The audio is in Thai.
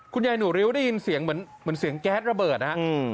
คุณยายหนูริ้วได้ยินเสียงเหมือนเสียงแก๊สระเบิดนะฮะ